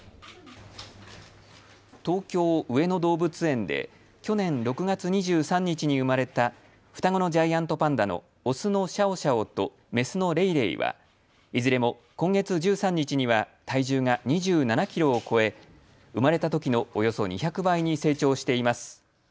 東京・上野動物園で、去年６月２３日に産まれた双子のジャイアントパンダの雄のシャオシャオと雌のレイレイは、いずれも今月１３日には体重が２７キロを超え、産まれたときのおよそ２００倍に成長しています。